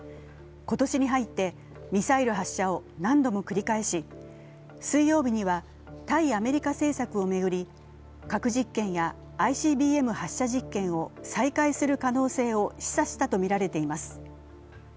今年に入って、ミサイル発射を何度も繰り返し、水曜日には対アメリカ政策を巡り、核実験やＩＣＢＭ発射実験を再開する可能性を示唆したとみられています。